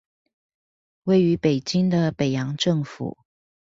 位於北京的北洋政府